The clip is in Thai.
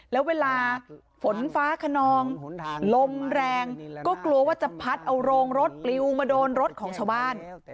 แล้วเวลาฝนฟ้าขนองลมแรงก็กลัวว่าจะพัดเอาโรงรถปลิวมาโดนรถของชาวบ้าน